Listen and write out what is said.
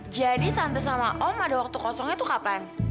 jadi tante sama om ada waktu kosongnya tuh kapan